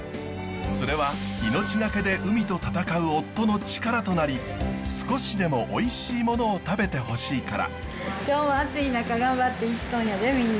それは命懸けで海と闘う夫の力となり少しでもおいしいものを食べてほしいから。